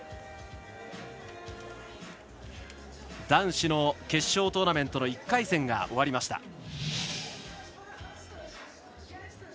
男子の決勝トーナメントの１回戦が終わりました。